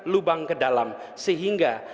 lubang ke dalam sehingga